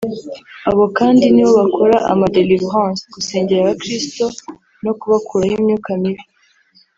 Abo kandi ni bo bakora ama Delivrance (gusengera abakristo no kubakuraho imyuka mibi)